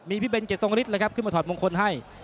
มีพี่เบนเกียรทรงฤทธิ์เลยครับขึ้นมาถอดมงคลให้